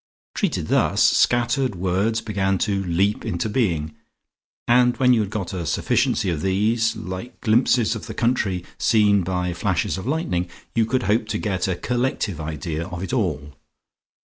Treated thus, scattered words began to leap into being, and when you had got a sufficiency of these, like glimpses of the country seen by flashes of lightning, you could hope to get a collective idea of it all.